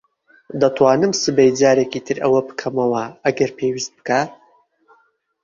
دەتوانم سبەی جارێکی تر ئەوە بکەمەوە ئەگەر پێویست بکات.